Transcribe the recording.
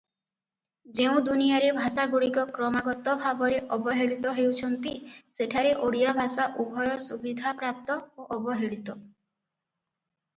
ଯେଉଁ ଦୁନିଆରେ ଭାଷାଗୁଡ଼ିକ କ୍ରମାଗତ ଭାବରେ ଅବହେଳିତ ହେଉଛନ୍ତି ସେଠାରେ ଓଡ଼ିଆ ଭାଷା ଉଭୟ ସୁବିଧାପ୍ରାପ୍ତ ଓ ଅବହେଳିତ ।